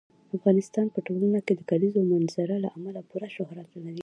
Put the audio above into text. افغانستان په ټوله نړۍ کې د کلیزو منظره له امله پوره شهرت لري.